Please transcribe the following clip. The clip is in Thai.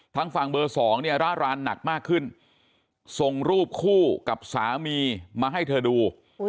ทางฝั่งเบอร์๒เนี่ยร่ารานหนักมากขึ้นส่งรูปคู่กับสามีมาให้เธอดู